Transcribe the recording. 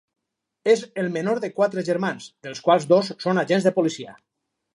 És el menor de quatre germans, dels quals dos són agents de policia.